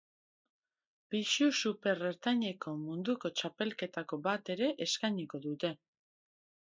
Pisu super ertaineko munduko txapelketako bat ere eskainiko dute.